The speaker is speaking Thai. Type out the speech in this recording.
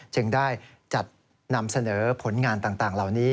จึงได้จัดนำเสนอผลงานต่างเหล่านี้